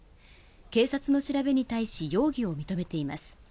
警察の調べに対し容疑を認めています。